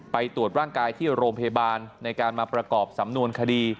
ไปตรวจร่างกายที่โรงพยาบาลในการมาประกอบสำนวนคดี